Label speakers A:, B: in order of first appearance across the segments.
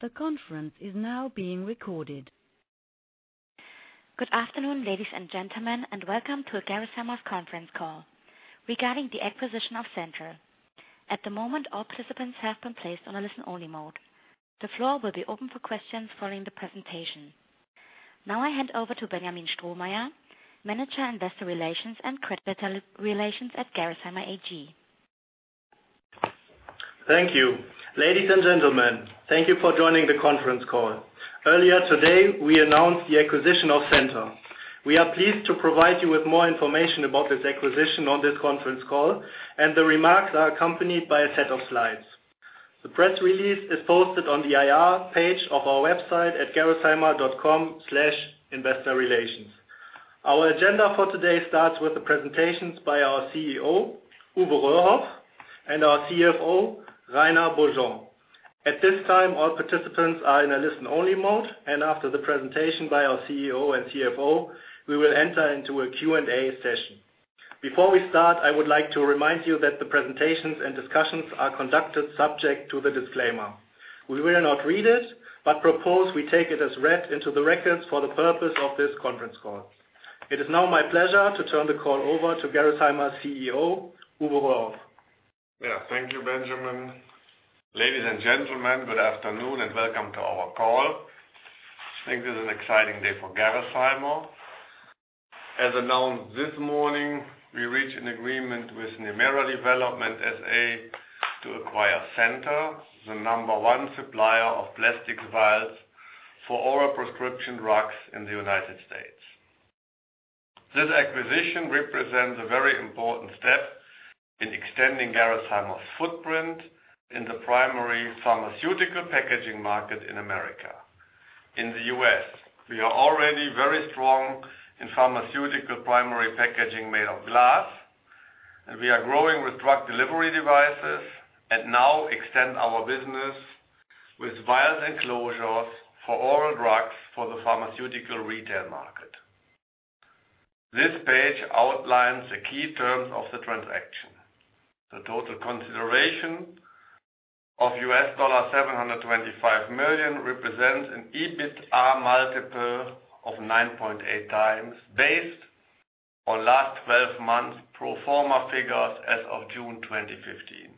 A: The conference is now being recorded. Good afternoon, ladies and gentlemen, and welcome to the Gerresheimer conference call regarding the acquisition of Centor. At the moment, all participants have been placed on a listen-only mode. The floor will be open for questions following the presentation. Now I hand over to Benjamin Strohmeyer, Manager, Investor Relations and Credit Relations at Gerresheimer AG.
B: Thank you. Ladies and gentlemen, thank you for joining the conference call. Earlier today, we announced the acquisition of Centor. We are pleased to provide you with more information about this acquisition on this conference call. The remarks are accompanied by a set of slides. The press release is posted on the IR page of our website at gerresheimer.com/investorrelations. Our agenda for today starts with the presentations by our CEO, Uwe Röhrhoff, and our CFO, Rainer Beaujean. At this time, all participants are in a listen-only mode. After the presentation by our CEO and CFO, we will enter into a Q&A session. Before we start, I would like to remind you that the presentations and discussions are conducted subject to the disclaimer. We will not read it, but propose we take it as read into the records for the purpose of this conference call. It is now my pleasure to turn the call over to Gerresheimer CEO, Uwe Röhrhoff.
C: Thank you, Benjamin. Ladies and gentlemen, good afternoon and welcome to our call. I think this is an exciting day for Gerresheimer. As announced this morning, we reached an agreement with Nemera Development S.A. to acquire Centor, the number one supplier of plastic vials for oral prescription drugs in the U.S. This acquisition represents a very important step in extending Gerresheimer's footprint in the primary pharmaceutical packaging market in America. In the U.S., we are already very strong in pharmaceutical primary packaging made of glass, and we are growing with drug delivery devices and now extend our business with vials and closures for oral drugs for the pharmaceutical retail market. This page outlines the key terms of the transaction. The total consideration of $725 million represents an EBITDA multiple of 9.8 times, based on last 12 months pro forma figures as of June 2015.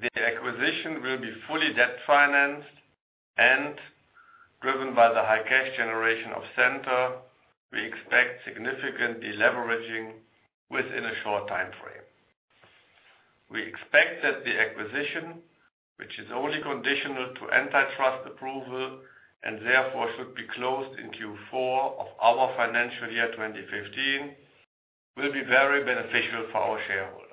C: The acquisition will be fully debt-financed and driven by the high cash generation of Centor. We expect significant deleveraging within a short time frame. We expect that the acquisition, which is only conditional to antitrust approval and therefore should be closed in Q4 of our financial year 2015, will be very beneficial for our shareholders.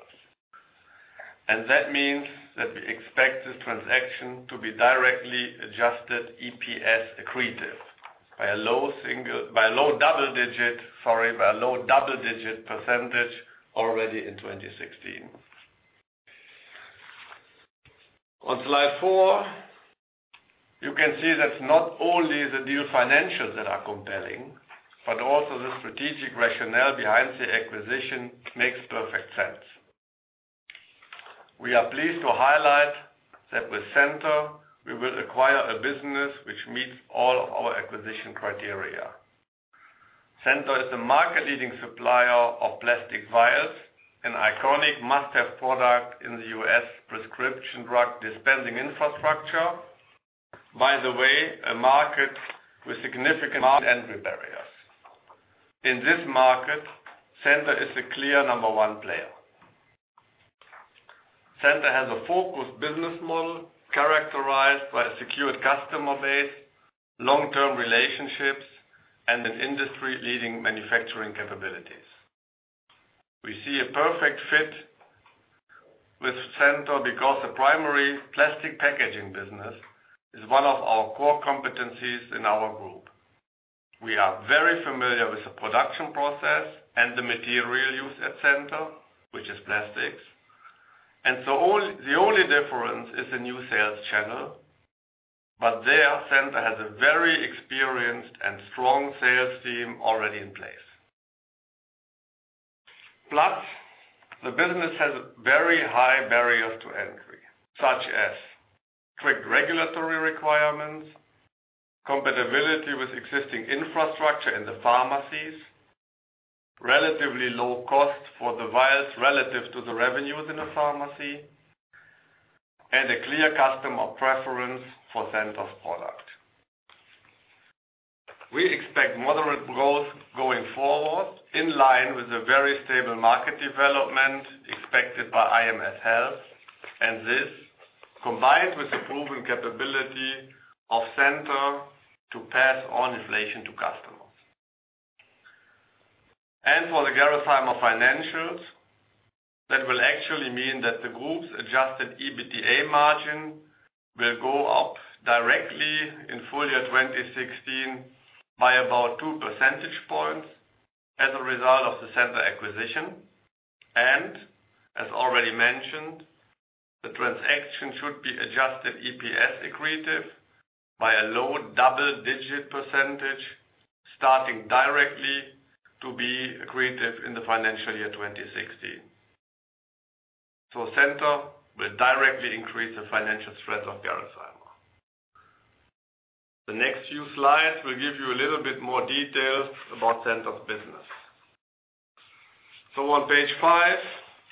C: That means that we expect this transaction to be directly adjusted EPS accretive by a low double-digit percentage already in 2016. On slide four, you can see that it's not only the new financials that are compelling, but also the strategic rationale behind the acquisition makes perfect sense. We are pleased to highlight that with Centor, we will acquire a business which meets all our acquisition criteria. Centor is the market-leading supplier of plastic vials, an iconic must-have product in the U.S. prescription drug dispensing infrastructure, by the way, a market with significant entry barriers. In this market, Centor is the clear number 1 player. Centor has a focused business model characterized by a secured customer base, long-term relationships, and an industry-leading manufacturing capabilities. We see a perfect fit with Centor because the primary plastic packaging business is one of our core competencies in our group. We are very familiar with the production process and the material used at Centor, which is plastics. The only difference is the new sales channel, but there Centor has a very experienced and strong sales team already in place. Plus, the business has very high barriers to entry, such as strict regulatory requirements, compatibility with existing infrastructure in the pharmacies, relatively low cost for the vials relative to the revenues in the pharmacy, and a clear customer preference for Centor's product. We expect moderate growth going forward, in line with the very stable market development expected by IMS Health, and this combined with the proven capability of Centor to pass on inflation to customers. For the Gerresheimer financials, that will actually mean that the group's adjusted EBITDA margin will go up directly in full year 2016 by about two percentage points as a result of the Centor acquisition. As already mentioned, the transaction should be adjusted EPS accretive by a low double-digit percentage, starting directly to be accretive in the financial year 2016. Centor will directly increase the financial strength of Gerresheimer. The next few slides will give you a little bit more details about Centor's business. On page five,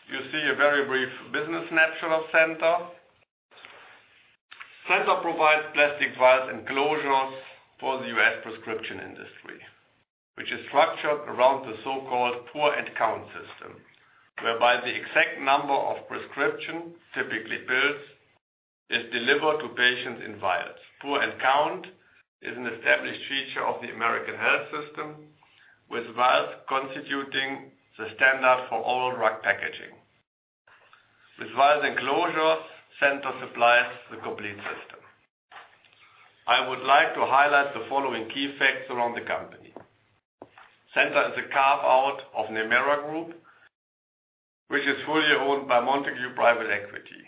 C: you see a very brief business snapshot of Centor. Centor provides plastic vials and closures for the U.S. prescription industry, which is structured around the so-called pour-and-count system, whereby the exact number of prescription, typically pills, is delivered to patients in vials. Pour-and-count is an established feature of the American health system, with vials constituting the standard for oral drug packaging. With vial closures, Centor supplies the complete system. I would like to highlight the following key facts around the company. Centor is a carve-out of Nemera Group, which is fully owned by Montagu Private Equity.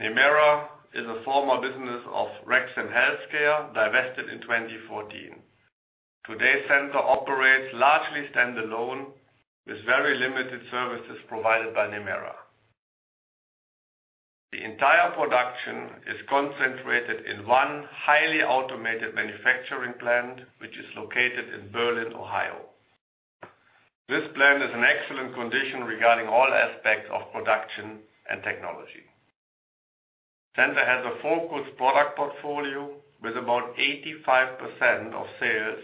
C: Nemera is a former business of Rexam Healthcare, divested in 2014. Today, Centor operates largely standalone with very limited services provided by Nemera. The entire production is concentrated in one highly automated manufacturing plant, which is located in Berlin, Ohio. This plant is in excellent condition regarding all aspects of production and technology. Centor has a focused product portfolio with about 85% of sales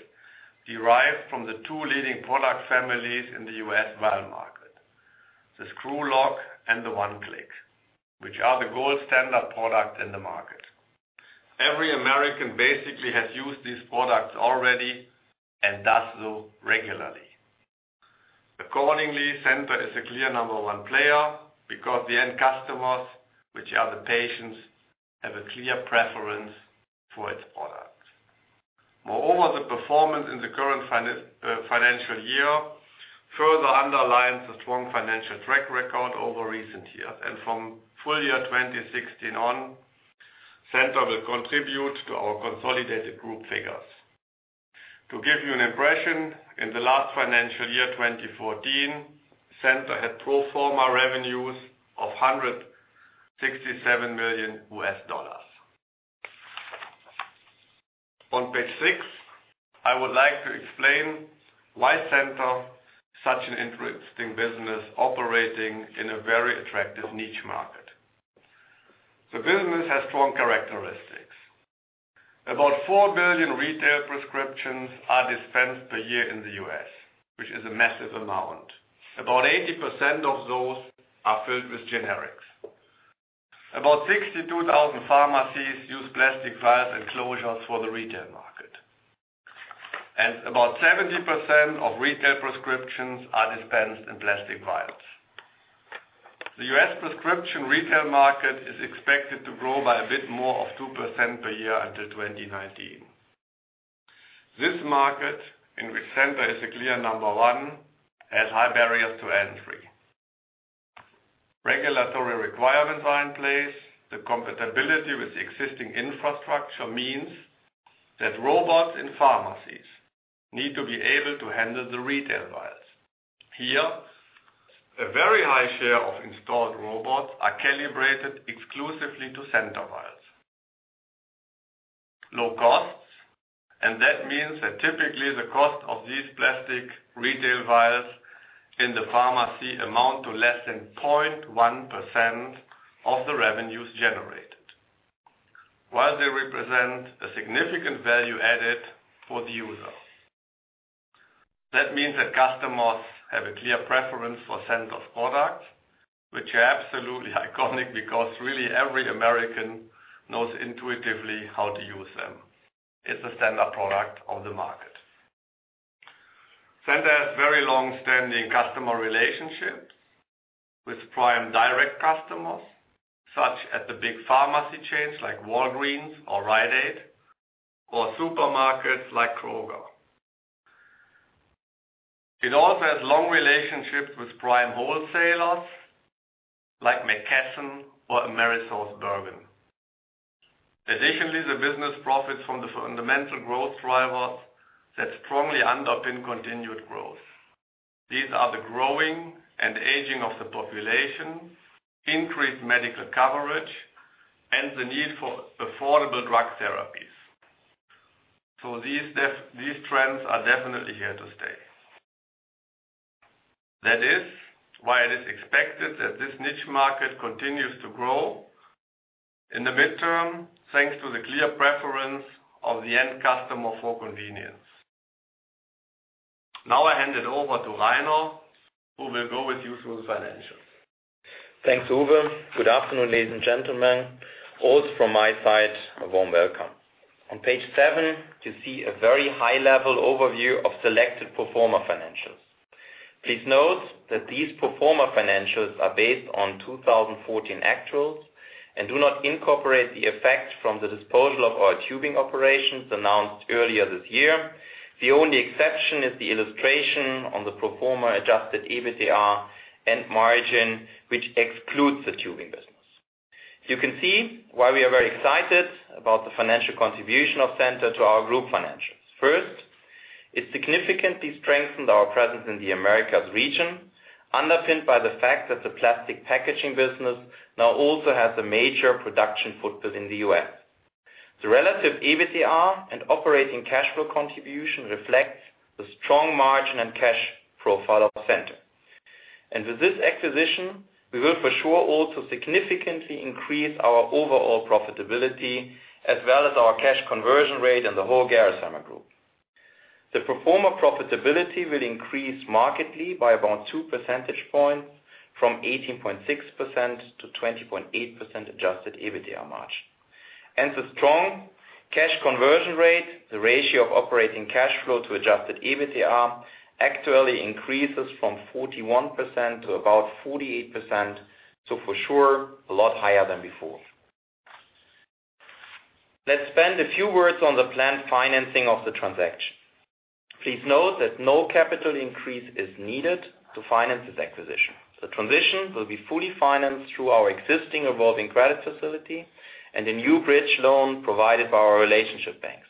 C: derived from the two leading product families in the U.S. vial market, the Screw-Loc and the 1-Clic, which are the gold standard product in the market. Every American basically has used these products already and does so regularly. Accordingly, Centor is a clear number one player because the end customers, which are the patients, have a clear preference for its product. Moreover, the performance in the current financial year further underlines the strong financial track record over recent years. From full year 2016 on, Centor will contribute to our consolidated group figures. To give you an impression, in the last financial year 2014, Centor had pro forma revenues of $167 million. On page six, I would like to explain why Centor is such an interesting business operating in a very attractive niche market. The business has strong characteristics. About 4 billion retail prescriptions are dispensed per year in the U.S., which is a massive amount. About 80% of those are filled with generics. About 62,000 pharmacies use plastic vials and closures for the retail market. About 70% of retail prescriptions are dispensed in plastic vials. The U.S. prescription retail market is expected to grow by a bit more of 2% per year until 2019. This market, in which Centor is a clear number one, has high barriers to entry. Regulatory requirements are in place. The compatibility with the existing infrastructure means that robots in pharmacies need to be able to handle the retail vials. Here, a very high share of installed robots are calibrated exclusively to Centor vials. Low costs, and that means that typically the cost of these plastic retail vials in the pharmacy amount to less than 0.1% of the revenues generated, while they represent a significant value added for the user. That means that customers have a clear preference for Centor's product, which are absolutely iconic because really every American knows intuitively how to use them. It's a standard product on the market. Centor has very long-standing customer relationships with prime direct customers, such as the big pharmacy chains like Walgreens or Rite Aid, or supermarkets like Kroger. It also has long relationships with prime wholesalers like McKesson or AmerisourceBergen. Additionally, the business profits from the fundamental growth drivers that strongly underpin continued growth. These are the growing and aging of the population, increased medical coverage, and the need for affordable drug therapies. These trends are definitely here to stay. That is why it is expected that this niche market continues to grow in the midterm, thanks to the clear preference of the end customer for convenience. Now I hand it over to Rainer, who will go with you through the financials.
D: Thanks, Uwe. Good afternoon, ladies and gentlemen. Also from my side, a warm welcome. On page seven, you see a very high-level overview of selected pro forma financials. Please note that these pro forma financials are based on 2014 actuals. Do not incorporate the effects from the disposal of our tubing operations announced earlier this year. The only exception is the illustration on the pro forma adjusted EBITDA and margin, which excludes the tubing business. You can see why we are very excited about the financial contribution of Centor to our group financials. First, it significantly strengthened our presence in the Americas region, underpinned by the fact that the plastic packaging business now also has a major production footprint in the U.S. The relative EBITDA and operating cash flow contribution reflects the strong margin and cash profile of Centor. With this acquisition, we will for sure also significantly increase our overall profitability as well as our cash conversion rate in the whole Gerresheimer Group. The pro forma profitability will increase markedly by about two percentage points from 18.6%-20.8% adjusted EBITDA margin. The strong cash conversion rate, the ratio of operating cash flow to adjusted EBITDA actually increases from 41%-48%. For sure, a lot higher than before. Let's spend a few words on the planned financing of the transaction. Please note that no capital increase is needed to finance this acquisition. The transaction will be fully financed through our existing revolving credit facility and a new bridge loan provided by our relationship banks.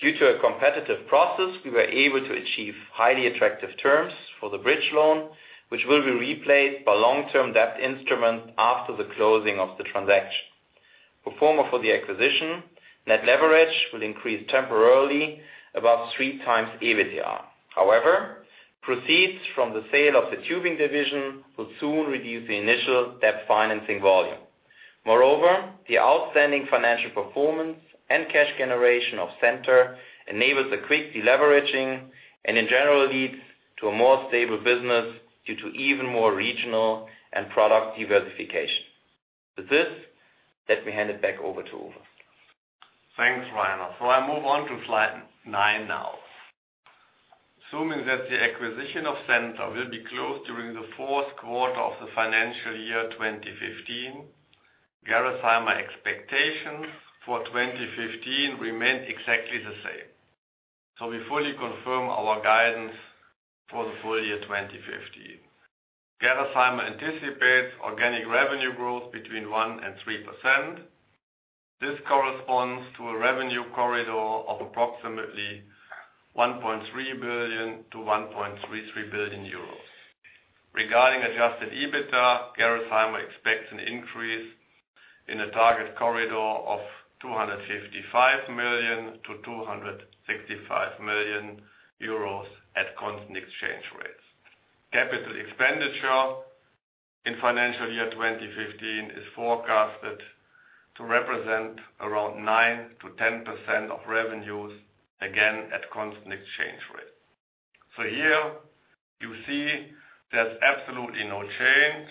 D: Due to a competitive process, we were able to achieve highly attractive terms for the bridge loan, which will be replaced by long-term debt instrument after the closing of the transaction. Pro forma for the acquisition, net leverage will increase temporarily above three times EBITDA. However, proceeds from the sale of the tubing division will soon reduce the initial debt financing volume. Moreover, the outstanding financial performance and cash generation of Centor enables a quick deleveraging and in general leads to a more stable business due to even more regional and product diversification. With this, let me hand it back over to Uwe.
C: Thanks, Rainer. I move on to slide nine now. Assuming that the acquisition of Centor will be closed during the fourth quarter of the financial year 2015, Gerresheimer expectations for 2015 remain exactly the same. We fully confirm our guidance for the full year 2015. Gerresheimer anticipates organic revenue growth between 1%-3%. This corresponds to a revenue corridor of approximately 1.3 billion-1.33 billion euros. Regarding adjusted EBITDA, Gerresheimer expects an increase in a target corridor of €255 million-€265 million at constant exchange rates. Capital expenditure in financial year 2015 is forecasted to represent around 9%-10% of revenues, again, at constant exchange rate. Here you see there's absolutely no change,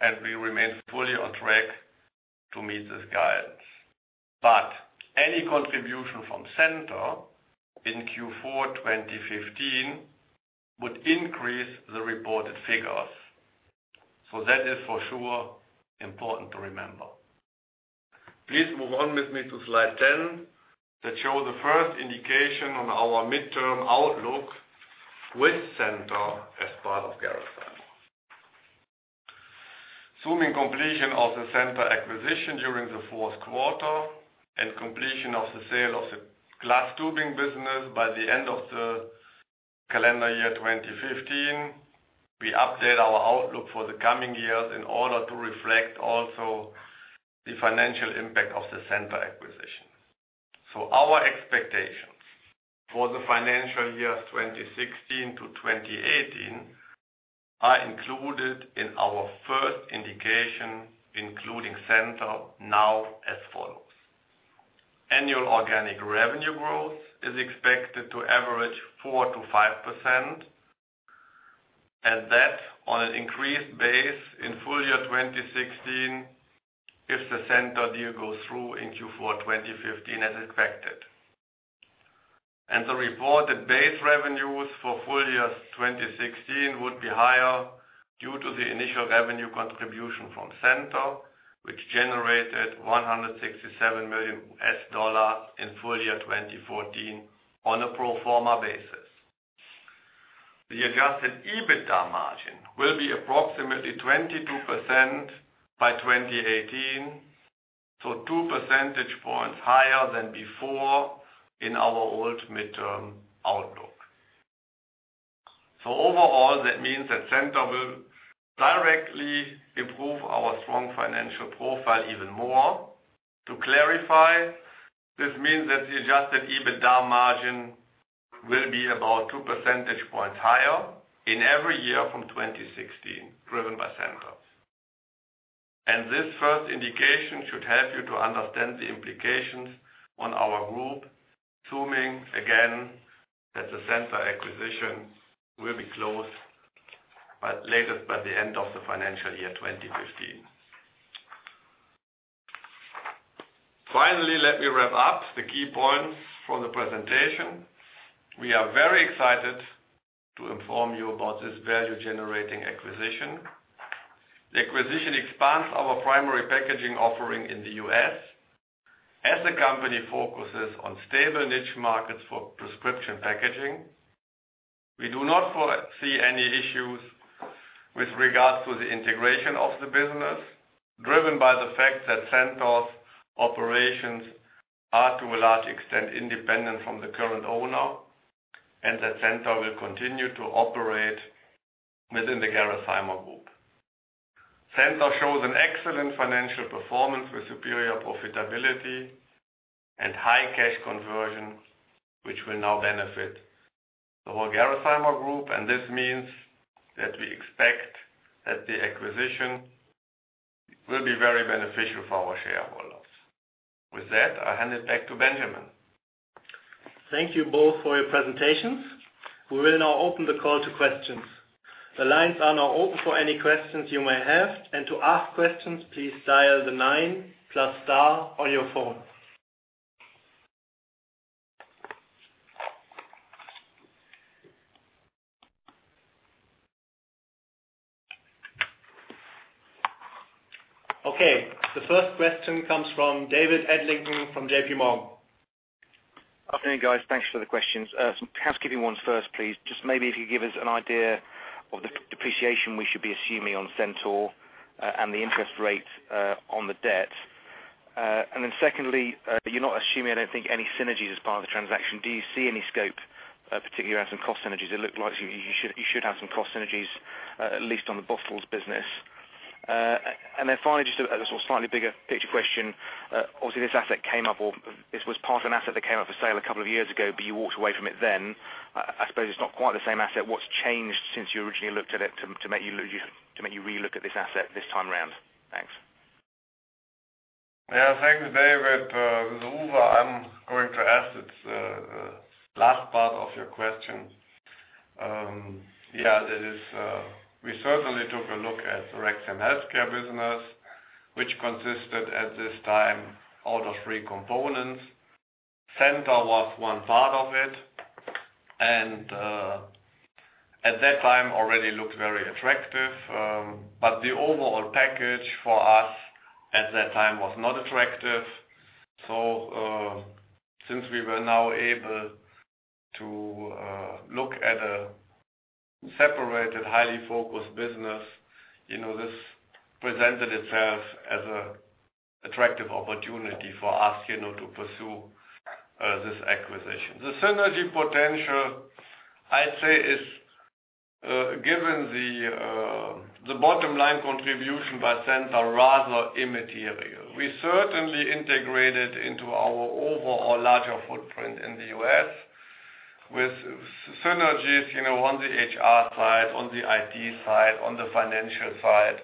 C: and we remain fully on track to meet this guidance. Any contribution from Centor in Q4 2015 would increase the reported figures. That is for sure important to remember. Please move on with me to slide 10 that show the first indication on our midterm outlook with Centor as part of Gerresheimer. Assuming completion of the Centor acquisition during the fourth quarter and completion of the sale of the glass tubing business by the end of the calendar year 2015, we update our outlook for the coming years in order to reflect also the financial impact of the Centor acquisition. Our expectations for the financial years 2016 to 2018 are included in our first indication, including Centor now as follows. Annual organic revenue growth is expected to average 4%-5%, and that on an increased base in full year 2016 if the Centor deal goes through in Q4 2015 as expected. The reported base revenues for full year 2016 would be higher due to the initial revenue contribution from Centor, which generated $167 million in full year 2014 on a pro forma basis. The adjusted EBITDA margin will be approximately 22% by 2018, two percentage points higher than before in our old midterm outlook. Overall, that means that Centor will directly improve our strong financial profile even more. To clarify, this means that the adjusted EBITDA margin will be about two percentage points higher in every year from 2016, driven by Centor. This first indication should help you to understand the implications on our group, assuming, again, that the Centor acquisition will be closed latest by the end of the financial year 2015. Finally, let me wrap up the key points from the presentation. We are very excited to inform you about this value-generating acquisition. The acquisition expands our primary packaging offering in the U.S. as the company focuses on stable niche markets for prescription packaging. We do not foresee any issues with regards to the integration of the business, driven by the fact that Centor's operations are, to a large extent, independent from the current owner, and that Centor will continue to operate within the Gerresheimer Group. Centor shows an excellent financial performance with superior profitability and high cash conversion, which will now benefit the whole Gerresheimer Group. This means that we expect that the acquisition will be very beneficial for our shareholders. With that, I hand it back to Benjamin.
B: Thank you both for your presentations. We will now open the call to questions. The lines are now open for any questions you may have. To ask questions, please dial the nine, plus star on your phone. Okay. The first question comes from David Adlington from J.P. Morgan.
E: Good evening, guys. Thanks for the questions. Some housekeeping ones first, please. Just maybe if you could give us an idea of the depreciation we should be assuming on Centor and the interest rate on the debt. Secondly, you're not assuming, I don't think, any synergies as part of the transaction. Do you see any scope, particularly around some cost synergies? It looked like you should have some cost synergies, at least on the bottles business. Finally, just a sort of slightly bigger picture question. Obviously, this was part of an asset that came up for sale a couple of years ago, but you walked away from it then. I suppose it's not quite the same asset. What's changed since you originally looked at it to make you re-look at this asset this time around? Thanks.
C: Yeah. Thanks, David Adlington. This is Uwe Röhrhoff. I'm going to answer the last part of your question. Yeah, we certainly took a look at the Rexam Healthcare business, which consisted at this time out of three components. Centor was one part of it, and at that time already looked very attractive. The overall package for us at that time was not attractive. Since we were now able to look at a separated, highly focused business, this presented itself as an attractive opportunity for us to pursue this acquisition. The synergy potential, I'd say, is, given the bottom line contribution by Centor, rather immaterial. We certainly integrated into our overall larger footprint in the U.S. with synergies on the HR side, on the IT side, on the financial side.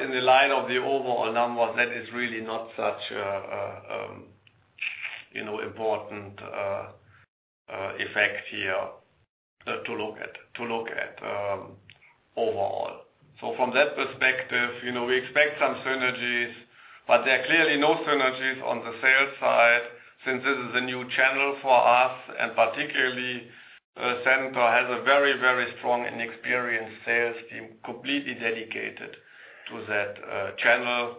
C: In the line of the overall numbers, that is really not such an important effect here to look at overall. From that perspective, we expect some synergies. There are clearly no synergies on the sales side since this is a new channel for us, and particularly, Centor has a very strong and experienced sales team completely dedicated to that channel.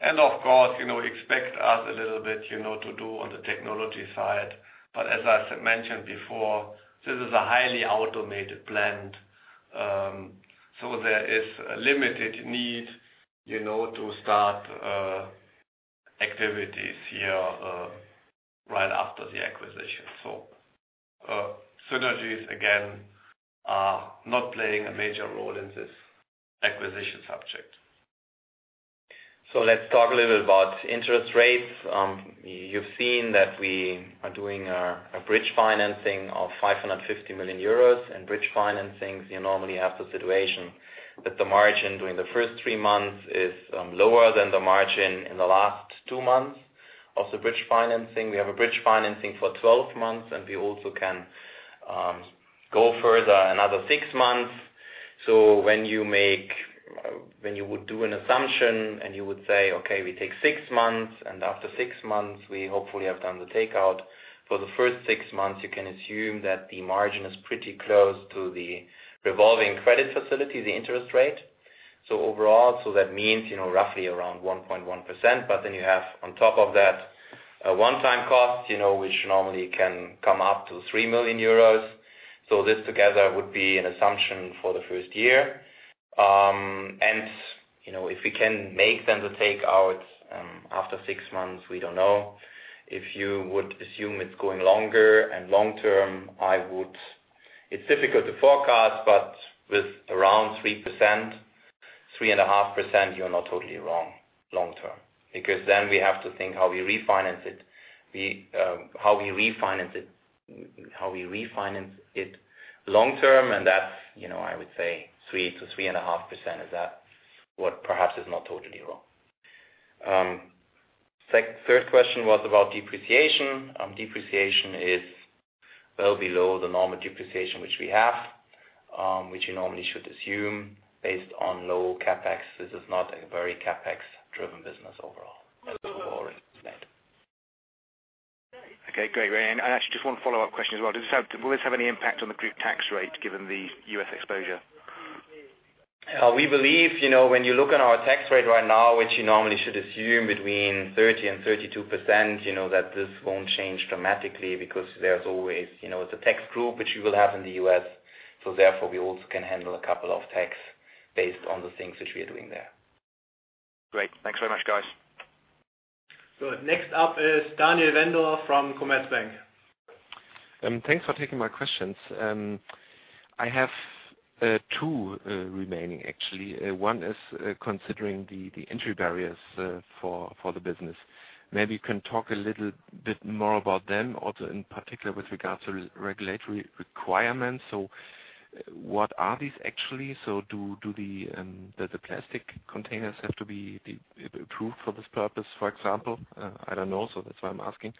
C: Of course, expect us a little bit to do on the technology side. As I mentioned before, this is a highly automated plant, there is a limited need to start activities here right after the acquisition. Synergies, again, are not playing a major role in this acquisition subject.
D: Let's talk a little bit about interest rates. You've seen that we are doing a bridge financing of 550 million euros. In bridge financings, you normally have the situation that the margin during the first three months is lower than the margin in the last two months of the bridge financing. We have a bridge financing for 12 months, and we also can go further another six months. When you would do an assumption and you would say, "Okay, we take six months, and after six months, we hopefully have done the takeout." For the first six months, you can assume that the margin is pretty close to the revolving credit facility, the interest rate. Overall, that means roughly around 1.1%, then you have on top of that a one-time cost, which normally can come up to 3 million euros. This together would be an assumption for the first year. If we can make Centor takeout after six months, we don't know. If you would assume it's going longer and long-term, it's difficult to forecast, but with around 3%, 3.5%, you're not totally wrong long term. We have to think how we refinance it long term, and that's, I would say 3%-3.5% is what perhaps is not totally wrong. Third question was about depreciation. Depreciation is Well below the normal depreciation which we have, which you normally should assume based on low CapEx. This is not a very CapEx-driven business overall, as Uwe already said.
E: Okay, great. Actually just one follow-up question as well. Will this have any impact on the group tax rate given the U.S. exposure?
D: We believe, when you look at our tax rate right now, which you normally should assume between 30%-32%, that this won't change dramatically because there's always the tax group, which you will have in the U.S. We also can handle a couple of tax based on the things which we are doing there.
E: Great. Thanks very much, guys.
B: Good. Next up is Daniel Wendorff from Commerzbank.
F: Thanks for taking my questions. I have two remaining, actually. One is considering the entry barriers for the business. Maybe you can talk a little bit more about them, also in particular with regards to regulatory requirements. What are these actually? Do the plastic containers have to be approved for this purpose, for example? I don't know. That's why I'm asking.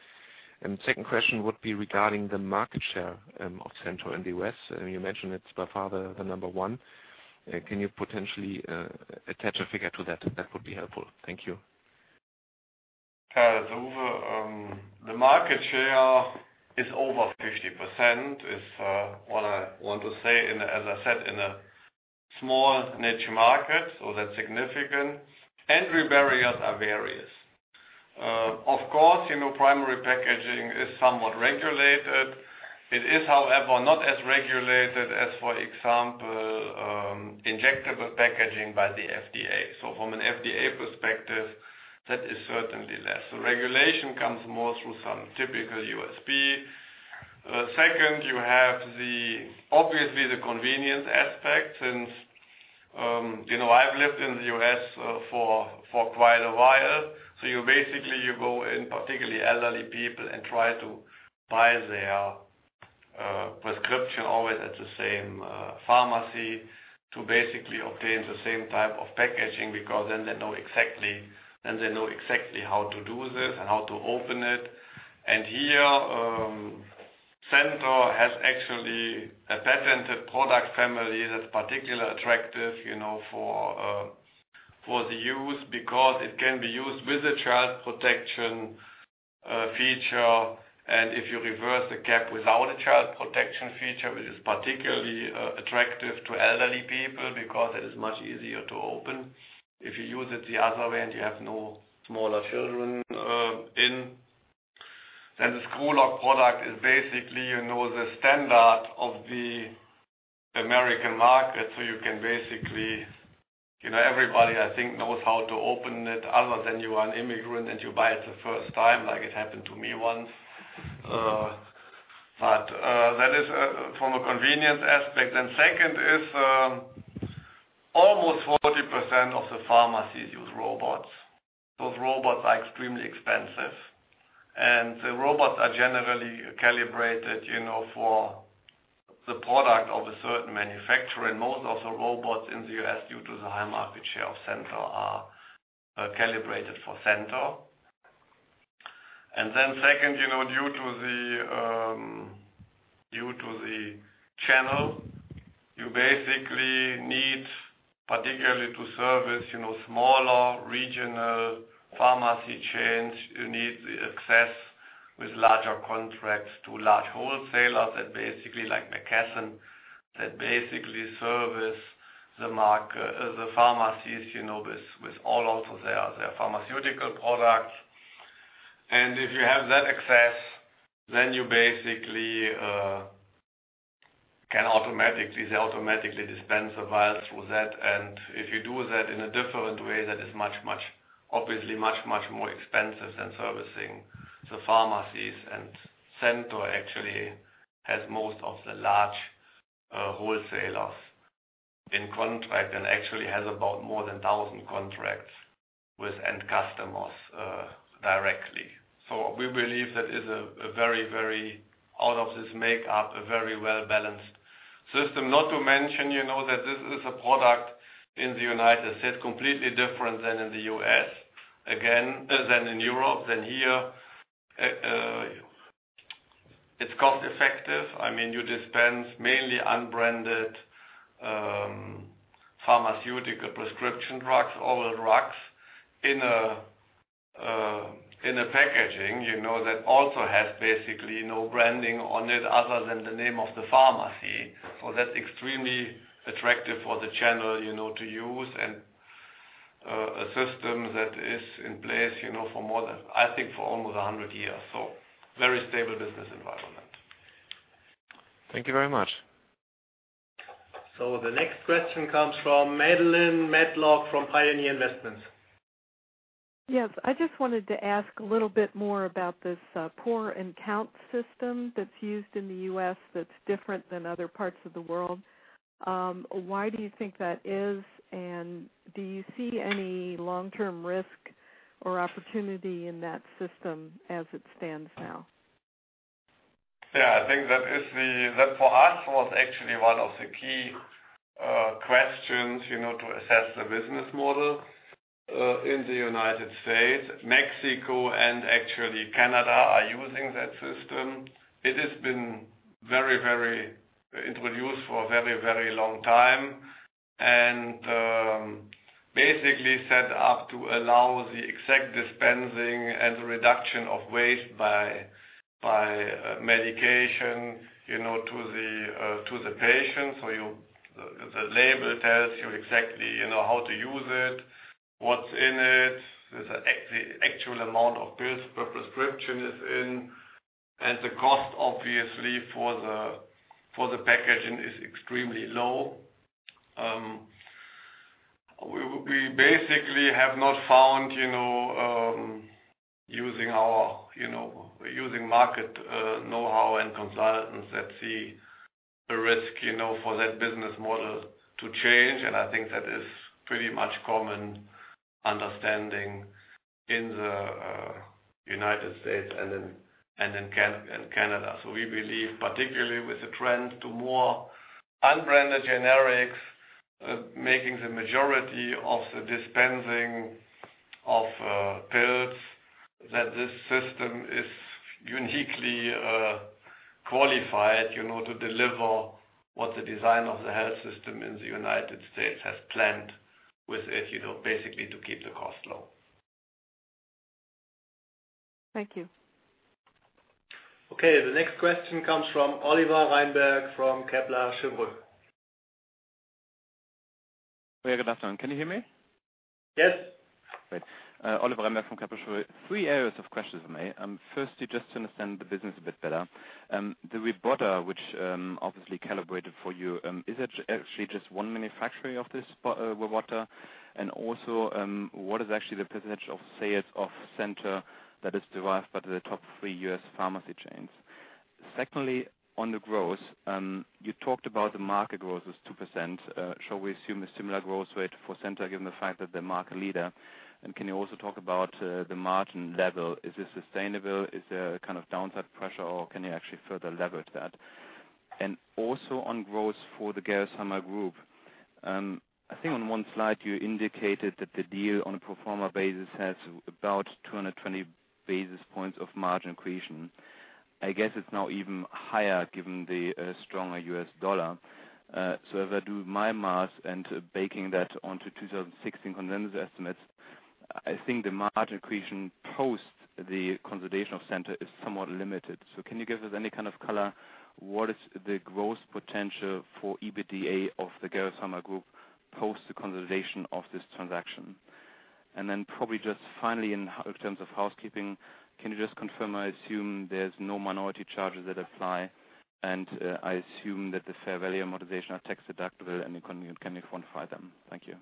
F: Second question would be regarding the market share of Centor in the U.S. You mentioned it's by far the number one. Can you potentially attach a figure to that? That would be helpful. Thank you.
C: Yeah. Uwe. The market share is over 50%, is what I want to say. As I said, in a small niche market, that's significant. Entry barriers are various. Of course, primary packaging is somewhat regulated. It is, however, not as regulated as, for example injectable packaging by the FDA. From an FDA perspective, that is certainly less. Regulation comes more through some typical USP. Second, you have obviously the convenience aspect, since I've lived in the U.S. for quite a while. You basically go in, particularly elderly people, and try to buy their prescription always at the same pharmacy to basically obtain the same type of packaging, because then they know exactly how to do this and how to open it. Here, Centor has actually a patented product family that's particularly attractive for the use, because it can be used with a child protection feature. If you reverse the cap without a child protection feature, it is particularly attractive to elderly people, because it is much easier to open. If you use it the other way and you have no smaller children. The Screw-Loc product is basically the standard of the American market, so everybody, I think, knows how to open it, other than you are an immigrant and you buy it the first time, like it happened to me once. That is from a convenience aspect. Second is almost 40% of the pharmacies use robots. Those robots are extremely expensive, and the robots are generally calibrated for the product of a certain manufacturer. Most of the robots in the U.S., due to the high market share of Centor, are calibrated for Centor. Second, due to the channel, you basically need particularly to service smaller regional pharmacy chains. You need the access with larger contracts to large wholesalers like McKesson, that basically service the pharmacies with all of their pharmaceutical products. If you have that access, then you basically can automatically dispense the vials through that. If you do that in a different way, that is obviously much more expensive than servicing the pharmacies. Centor actually has most of the large wholesalers in contract and actually has about more than 1,000 contracts with end customers directly. We believe that out of this makeup, a very well-balanced system. Not to mention that this is a product in the U.S., completely different than in Europe. Here, it's cost-effective. You dispense mainly unbranded pharmaceutical prescription drugs, oral drugs in a packaging that also has basically no branding on it other than the name of the pharmacy. That's extremely attractive for the channel to use and a system that is in place I think for almost 100 years. Very stable business environment.
F: Thank you very much.
B: The next question comes from Madelynn Matlock from Pioneer Investments.
G: Yes. I just wanted to ask a little bit more about this pour-and-count system that's used in the U.S. that's different than other parts of the world. Why do you think that is, and do you see any long-term risk or opportunity in that system as it stands now?
C: I think that for us was actually one of the key questions to assess the business model in the United States. Mexico and actually Canada are using that system. It has been introduced for a very long time and basically set up to allow the exact dispensing and the reduction of waste by medication to the patient. The label tells you exactly how to use it, what's in it. There's the actual amount of pills per prescription is in, and the cost, obviously, for the packaging is extremely low. We basically have not found using market know-how and consultants that see the risk for that business model to change. I think that is pretty much common understanding in the United States and in Canada. We believe, particularly with the trend to more unbranded generics making the majority of the dispensing of pills, that this system is uniquely qualified to deliver what the design of the health system in the United States has planned with it, basically to keep the cost low.
G: Thank you.
B: Okay. The next question comes from Oliver Reinberg from Kepler Cheuvreux.
H: Yeah, good afternoon. Can you hear me?
C: Yes.
H: Great. Oliver Reinberg from Kepler Cheuvreux. Three areas of questions for me. Firstly, just to understand the business a bit better. The Revatio, which obviously calibrated for you, is it actually just one manufacturer of this Revatio? And also, what is actually the percentage of sales of Centor that is derived by the top three U.S. pharmacy chains? Secondly, on the growth, you talked about the market growth was 2%. Shall we assume a similar growth rate for Centor given the fact that they're market leader? And can you also talk about the margin level? Is this sustainable? Is there a kind of downside pressure or can you actually further leverage that? And also on growth for the Gerresheimer Group. I think on one slide you indicated that the deal on a pro forma basis has about 220 basis points of margin accretion. I guess it's now even higher given the stronger U.S. dollar. If I do my math and baking that onto 2016 consensus estimates, I think the margin accretion post the consolidation of Centor is somewhat limited. Can you give us any kind of color? What is the growth potential for EBITDA of the Gerresheimer Group post the consolidation of this transaction? Probably just finally in terms of housekeeping, can you just confirm, I assume there's no minority charges that apply and I assume that the fair value and amortization are tax-deductible and can you quantify them? Thank you.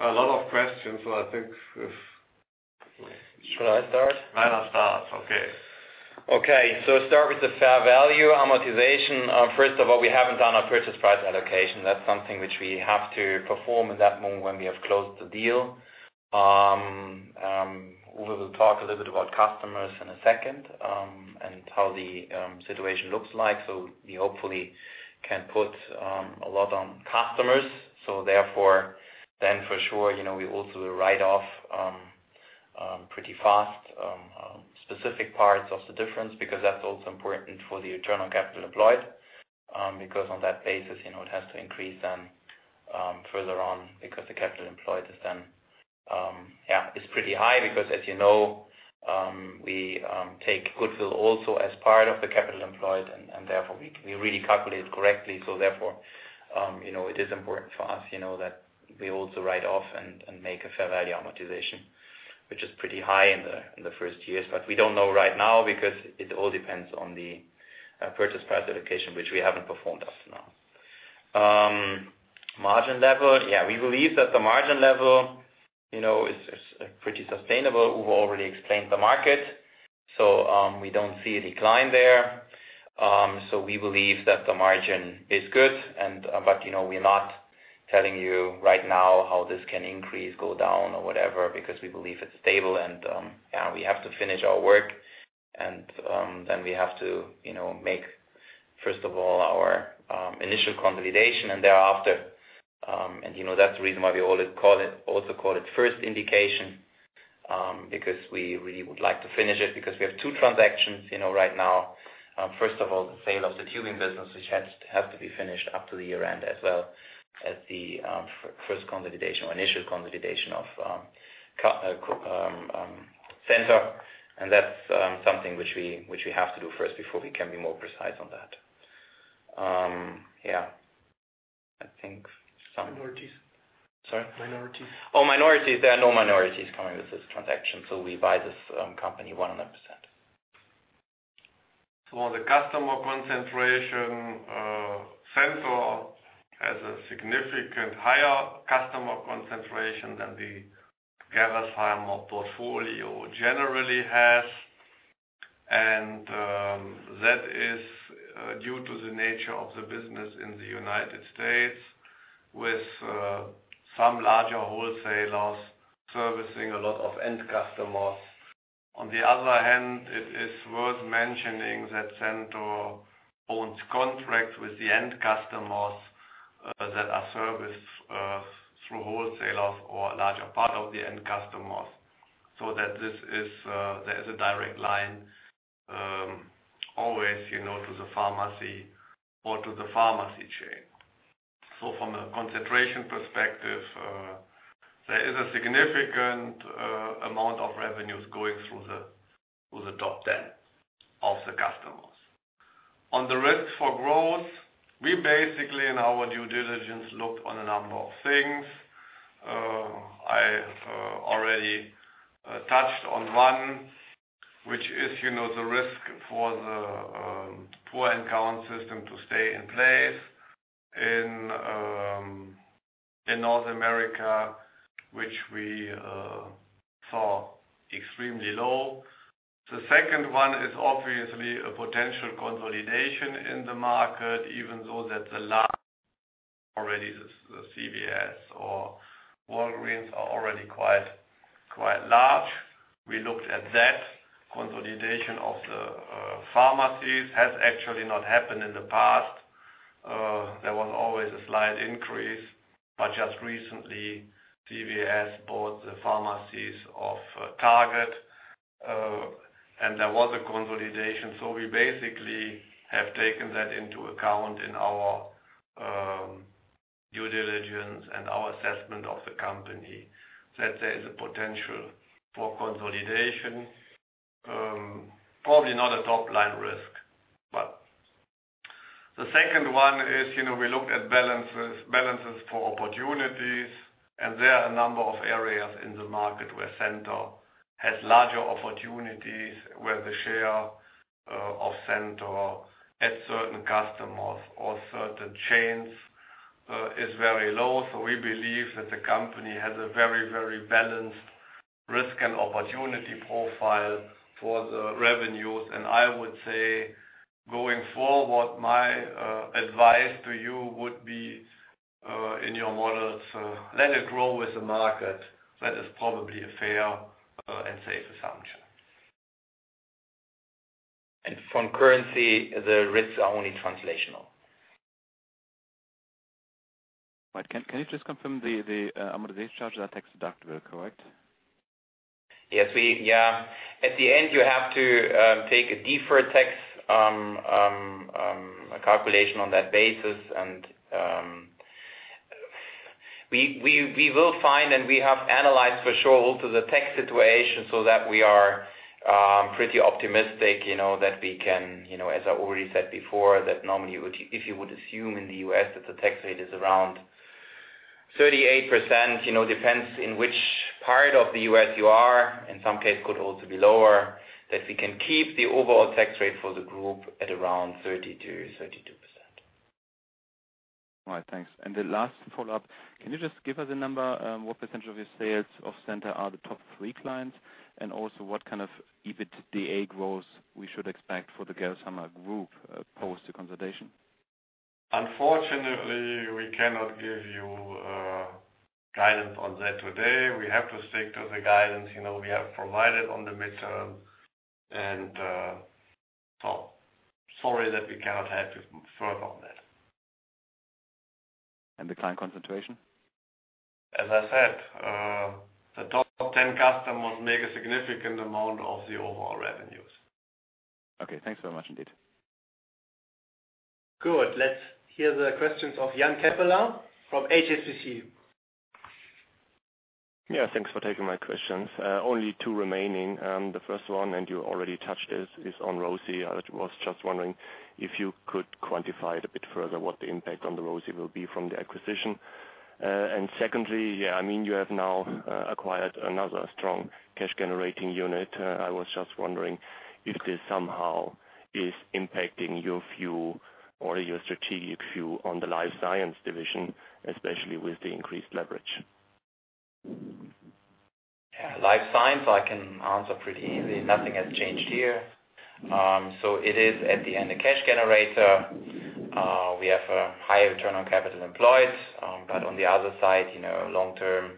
C: A lot of questions. I think.
D: Should I start?
C: Rainer starts. Okay.
D: Okay, start with the fair value amortization. First of all, we haven't done our purchase price allocation. That's something which we have to perform at that moment when we have closed the deal. Uwe will talk a little bit about customers in a second, and how the situation looks like. We hopefully can put a lot on customers. For sure, we also will write off pretty fast, specific parts of the difference, because that's also important for the internal capital employed. On that basis, it has to increase then further on because the capital employed is then pretty high because as you know, we take goodwill also as part of the capital employed and therefore we really calculate correctly. It is important for us that we also write off and make a fair value amortization, which is pretty high in the first years. We don't know right now because it all depends on the purchase price allocation, which we haven't performed as of now. Margin level. We believe that the margin level is pretty sustainable. Uwe already explained the market, we don't see a decline there. We believe that the margin is good and, but, we're not telling you right now how this can increase, go down or whatever, because we believe it's stable and, we have to finish our work and then we have to make, first of all, our initial consolidation and thereafter, and that's the reason why we also call it first indication, because we really would like to finish it because we have two transactions right now. First of all, the sale of the tubing business, which has to be finished up to the year-end as well as the first consolidation or initial consolidation of Centor. That's something which we have to do first before we can be more precise on that. I think some- Minorities.
C: Sorry? Minorities.
D: Minorities. There are no minorities coming with this transaction. We buy this company 100%.
C: On the customer concentration, Centor has a significantly higher customer concentration than the Gerresheimer portfolio generally has. That is due to the nature of the business in the U.S. with some larger wholesalers servicing a lot of end customers. On the other hand, it is worth mentioning that Centor owns contracts with the end customers that are serviced through wholesalers or a larger part of the end customers, so that there is a direct line always to the pharmacy or to the pharmacy chain. From a concentration perspective, there is a significant amount of revenues going through the top 10 of the customers. On the risks for growth, we basically, in our due diligence, looked at a number of things. I have already touched on one, which is the risk for the pour-and-count system to stay in place in North America, which we saw extremely low. The second one is obviously a potential consolidation in the market, even though that the last already, the CVS or Walgreens are already quite large. We looked at that consolidation of the pharmacies has actually not happened in the past. There was always a slight increase, but just recently CVS bought the pharmacies of Target, and there was a consolidation. We basically have taken that into account in our due diligence and our assessment of the company that there is a potential for consolidation. Probably not a top-line risk. The second one is we looked at balances for opportunities, and there are a number of areas in the market where Centor has larger opportunities, where the share of Centor at certain customers or certain chains is very low. We believe that the company has a very balanced risk and opportunity profile for the revenues. I would say going forward, my advice to you would be in your models, let it grow with the market. That is probably a fair and safe assumption.
D: From currency, the risks are only translational.
H: Right. Can you just confirm the amortization charges are tax-deductible, correct?
D: Yes. At the end, you have to take a deferred tax calculation on that basis, we will find, and we have analyzed for sure also the tax situation so that we are pretty optimistic, that we can, as I already said before, that normally if you would assume in the U.S. that the tax rate is around 38%, depends on which part of the U.S. you are, in some case could also be lower, that we can keep the overall tax rate for the group at around 30% to 32%.
H: All right. Thanks. The last follow-up, can you just give us a number, what percentage of your sales of Centor are the top three clients? Also what kind of EBITDA growth we should expect for the Gerresheimer group post the consolidation?
C: Unfortunately, we cannot give you guidance on that today. We have to stick to the guidance we have provided on the midterm. Sorry that we cannot help you further on that.
H: The client concentration?
C: As I said, the top 10 customers make a significant amount of the overall revenues.
H: Okay. Thanks very much indeed.
B: Good. Let's hear the questions of Jan Keppeler from HSBC.
I: Thanks for taking my questions. Only two remaining. The first one, you already touched this, is on ROCE. I was just wondering if you could quantify it a bit further, what the impact on the ROCE will be from the acquisition. Secondly, I mean, you have now acquired another strong cash-generating unit. I was just wondering if this somehow is impacting your view or your strategic view on the life science division, especially with the increased leverage.
D: Life science I can answer pretty easily. Nothing has changed here. It is at the end, a cash generator. We have a high return on capital employed. On the other side, long term,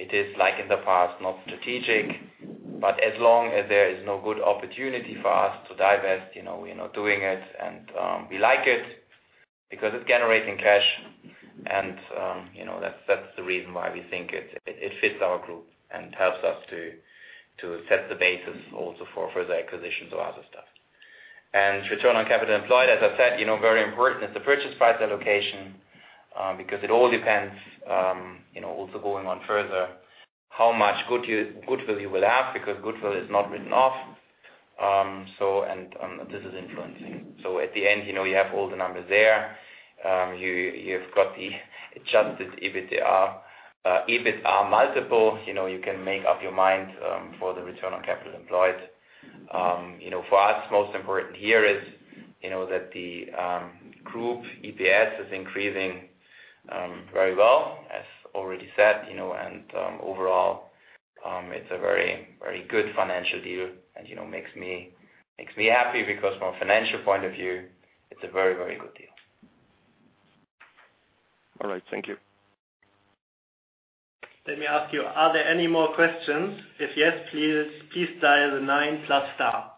D: it is like in the past, not strategic, but as long as there is no good opportunity for us to divest, we're not doing it. We like it because it's generating cash and that's the reason why we think it fits our group and helps us to set the basis also for further acquisitions or other stuff. Return on capital employed, as I said, very important is the purchase price allocation, because it all depends, also going on further, how much goodwill you will have, because goodwill is not written off. This is influencing. At the end, you have all the numbers there. You've got the adjusted EBITDA multiple. You can make up your mind for the return on capital employed. For us, most important here is that the group EPS is increasing very well, as already said. Overall, it's a very good financial deal and makes me happy because from a financial point of view, it's a very good deal.
I: All right. Thank you.
B: Let me ask you, are there any more questions? If yes, please dial nine plus star.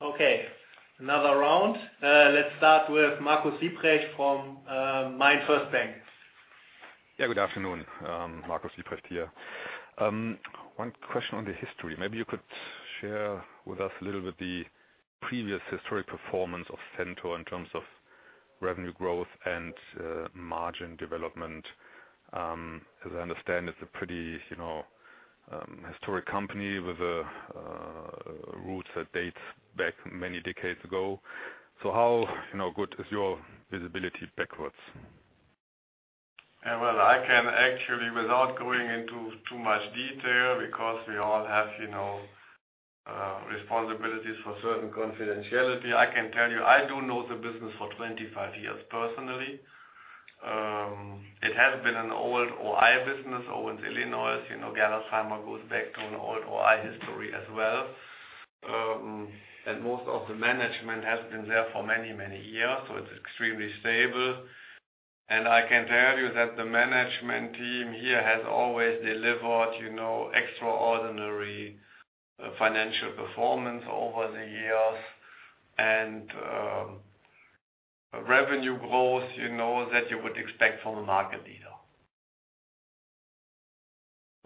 B: Okay, another round. Let's start with Marcus Wieprecht from MainFirst Bank.
J: Yeah, good afternoon. Marcus Wieprecht here. One question on the history. Maybe you could share with us a little bit the previous historic performance of Centor in terms of revenue growth and margin development. As I understand, it's a pretty historic company with roots that date back many decades ago. How good is your visibility backwards?
C: Well, I can actually, without going into too much detail, because we all have responsibilities for certain confidentiality. I can tell you, I do know the business for 25 years personally. It has been an old OI business, Owens-Illinois. Gerresheimer goes back to an old OI history as well. Most of the management has been there for many, many years, so it's extremely stable. I can tell you that the management team here has always delivered extraordinary financial performance over the years. Revenue growth that you would expect from a market leader.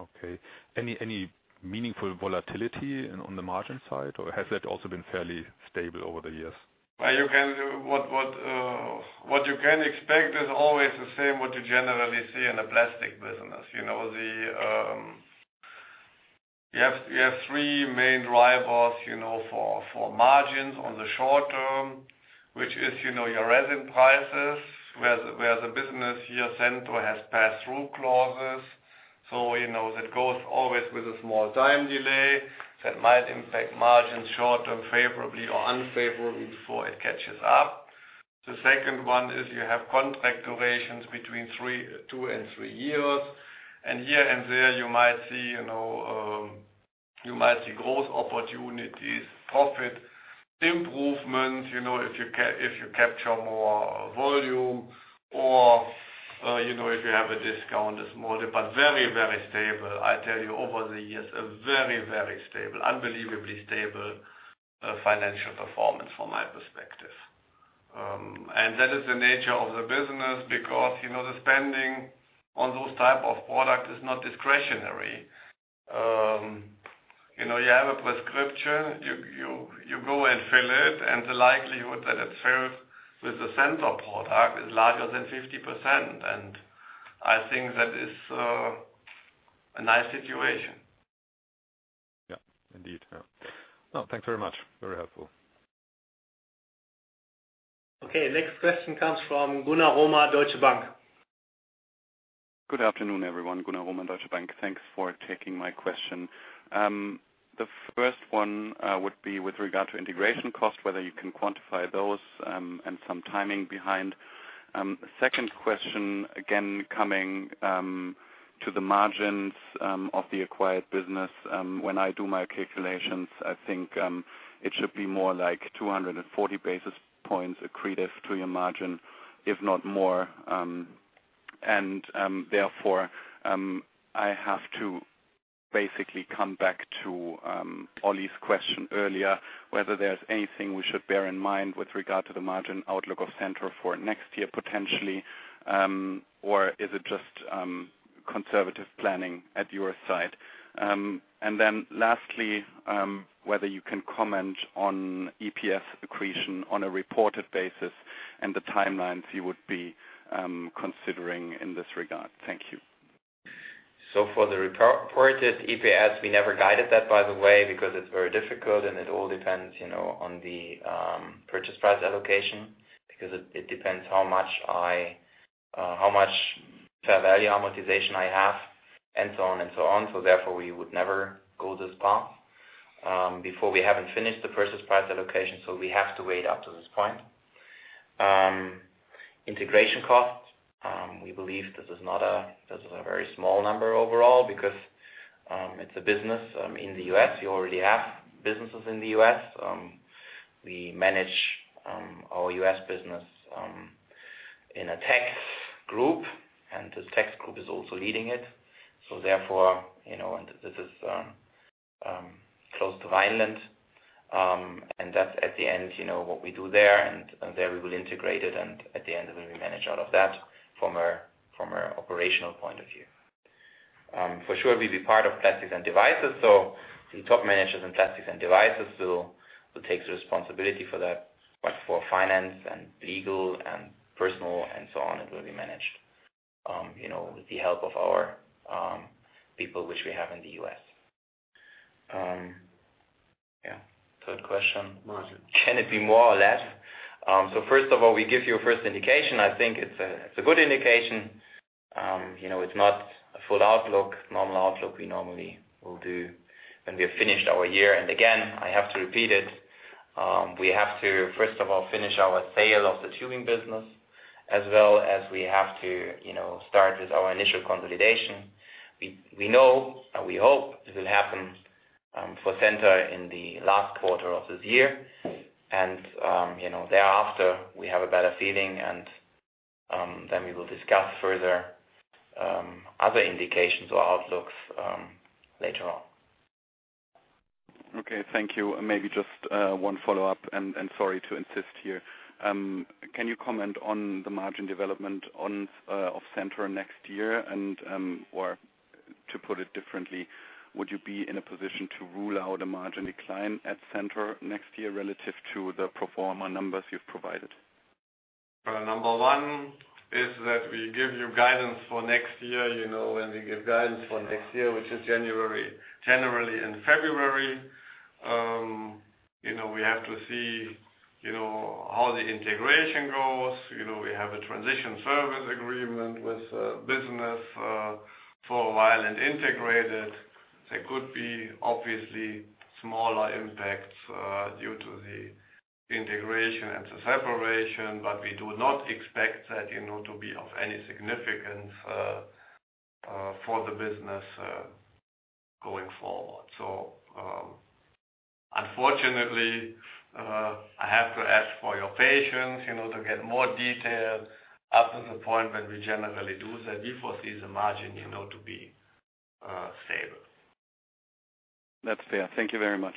J: Okay. Any meaningful volatility on the margin side, or has that also been fairly stable over the years?
C: What you can expect is always the same, what you generally see in a plastic business. You have three main drivers for margins on the short term, which is your resin prices, where the business here, Centor, has pass-through clauses. That goes always with a small time delay that might impact margins short term favorably or unfavorably before it catches up. The second one is you have contract durations between two and three years. Here and there, you might see growth opportunities, profit improvements, if you capture more volume or if you have a discount, a small dip, but very, very stable. I tell you, over the years, a very, very stable, unbelievably stable financial performance from my perspective. That is the nature of the business because the spending on those type of product is not discretionary. You have a prescription, you go and fill it, and the likelihood that it's filled with the Centor product is larger than 50%. I think that is a nice situation.
J: Yeah, indeed. Thanks very much. Very helpful.
B: Okay. Next question comes from Gunnar Romer, Deutsche Bank.
K: Good afternoon, everyone. Gunnar Romer, Deutsche Bank. Thanks for taking my question. The first one would be with regard to integration cost, whether you can quantify those and some timing behind. Second question, coming to the margins of the acquired business. When I do my calculations, I think it should be more like 240 basis points accretive to your margin, if not more. Therefore, I have to basically come back to Oli's question earlier, whether there's anything we should bear in mind with regard to the margin outlook of Centor for next year, potentially, or is it just conservative planning at your side? Lastly, whether you can comment on EPS accretion on a reported basis and the timelines you would be considering in this regard. Thank you.
D: For the reported EPS, we never guided that, by the way, because it's very difficult and it all depends on the purchase price allocation, because it depends how much fair value amortization I have, and so on. Therefore, we would never go this path. Before we haven't finished the purchase price allocation, we have to wait up to this point. Integration costs. We believe this is a very small number overall because it's a business in the U.S. We already have businesses in the U.S. We manage our U.S. business in a tax group, and this tax group is also leading it. Therefore, and this is close to Vineland, and that's at the end what we do there, and there we will integrate it, and at the end, then we manage all of that from an operational point of view. For sure, we'll be part of Plastics & Devices, the top managers in Plastics & Devices will take the responsibility for that. For finance and legal and personal and so on, it will be managed with the help of our people, which we have in the U.S. Third question.
C: Margin.
D: Can it be more or less? First of all, we give you a first indication. I think it's a good indication. It's not a full outlook, normal outlook we normally will do when we have finished our year. Again, I have to repeat it. We have to, first of all, finish our sale of the tubing business, as well as we have to start with our initial consolidation. We know, and we hope it will happen for Centor in the last quarter of this year. Thereafter, we have a better feeling, and then we will discuss further other indications or outlooks later on.
K: Okay, thank you. Maybe just one follow-up, and sorry to insist here. Can you comment on the margin development of Centor next year? Or to put it differently, would you be in a position to rule out a margin decline at Centor next year relative to the pro forma numbers you've provided?
C: Number one is that we give you guidance for next year. When we give guidance for next year, which is January, generally in February. We have to see how the integration goes. We have a transition service agreement with the business for a while and integrated. There could be obviously smaller impacts due to the integration and the separation, but we do not expect that to be of any significance for the business going forward. Unfortunately, I have to ask for your patience to get more details up to the point when we generally do that. We foresee the margin to be stable.
K: That's fair. Thank you very much.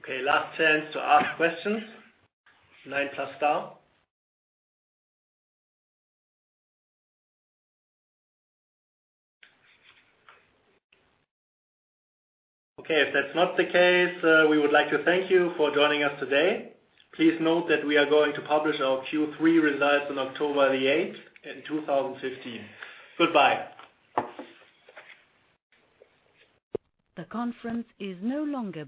B: Okay, last chance to ask questions. Nine plus star. Okay, if that's not the case, we would like to thank you for joining us today. Please note that we are going to publish our Q3 results on October 8, 2015. Goodbye.
A: The conference is no longer-